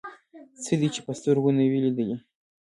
څه دې چې په سترګو نه وي لیدلي.